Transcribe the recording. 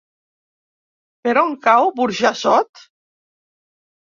Per on cau Burjassot?